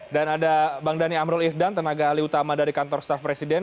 dan ada bang dhani amrul ihdan tenaga ahli utama dari kantor staff presiden